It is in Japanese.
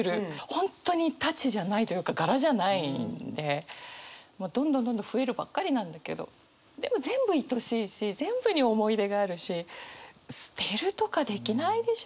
本当にたちじゃないというか柄じゃないんでもうどんどんどんどん増えるばっかりなんだけどでも全部いとおしいし全部に思い入れがあるし捨てるとかできないでしょって。